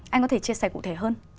anh có thể chia sẻ cụ thể hơn